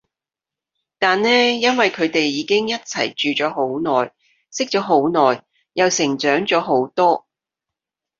但呢因為佢哋已經一齊住咗好耐，識咗好耐，又成長咗好多